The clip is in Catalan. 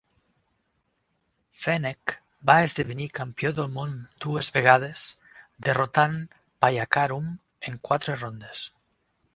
Fenech va esdevenir campió del món dues vegades derrotant Payakarum en quatre rondes.